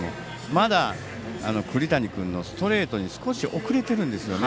まだ栗谷君のストレートに少し遅れているんですよね。